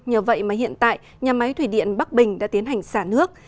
nhờ vậy mà hiện tại nhà máy thủy điện bắc bình đã tiến hành xả nước